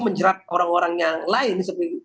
menjerat orang orang yang lain seperti